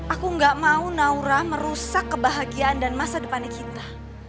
aku gak mau naura merusak kebahagiaan dan masa depannya kita